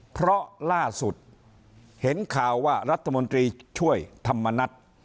เพราะล่าสุดเห็นข่าวว่ารัฐมนตรีช่วยธรรมนัฐ